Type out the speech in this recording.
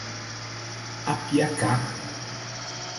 Apiacá